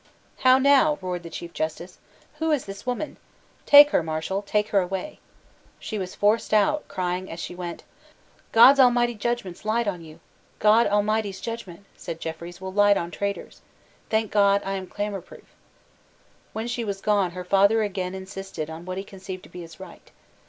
"How now?" roared the Chief Justice. "Who is this woman? Take her, Marshal. Take her away." She was forced out, crying as she went, "God Almighty's judgments light on you!" "God Almighty's judgment," said Jeffreys, "will light on traitors. Thank God, I am clamour proof." When she was gone, her father again insisted on what he conceived to be his right.